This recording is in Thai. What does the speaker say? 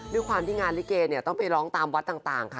ด้วยความที่งานลิเกเนี่ยต้องไปร้องตามวัดต่างค่ะ